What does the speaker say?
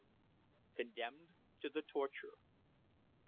CONDEMNED TO THE TORTURE.